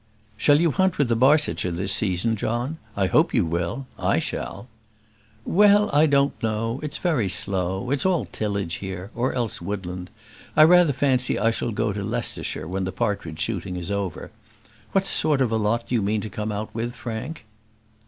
"Shall you hunt with the Barsetshire this season, John? I hope you will; I shall." "Well, I don't know. It's very slow. It's all tillage here, or else woodland. I rather fancy I shall go to Leicestershire when the partridge shooting is over. What sort of a lot do you mean to come out with, Frank?"